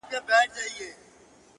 • ما ويل ددې به هېرول نه وي زده ـ